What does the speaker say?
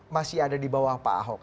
masih ada di bawah pak ahok